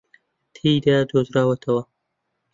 تێدا دۆزراوەتەوە